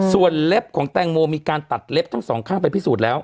ส่วนเล็บของแตงโมมีการตัดเล็บทั้งสองข้างไปพิสูจน์แล้ว